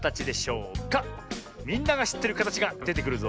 みんながしってるかたちがでてくるぞ。